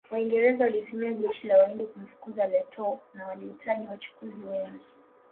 Waingereza walitumia jeshi la Wahindi kumfukuza Lettow na walihitaji wachukuzi wengi